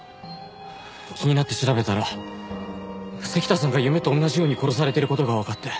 気になって調べたら関田さんが夢と同じように殺されてる事がわかって。